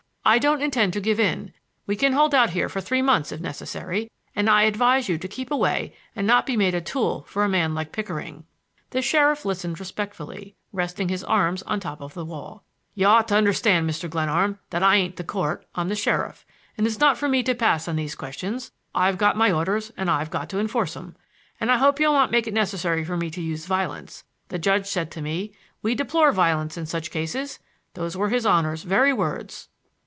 I don't intend to give in. We can hold out here for three months, if necessary, and I advise you to keep away and not be made a tool for a man like Pickering." The sheriff listened respectfully, resting his arms on top of the wall. "You ought to understand, Mr. Glenarm, that I ain't the court; I'm the sheriff, and it's not for me to pass on these questions. I've got my orders and I've got to enforce 'em, and I hope you will not make it necessary for me to use violence. The judge said to me, 'We deplore violence in such cases.' Those were his Honor's very words."